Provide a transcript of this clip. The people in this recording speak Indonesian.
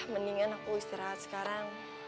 mendingan aku istirahat sekarang